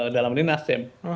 dalam hal ini nasdem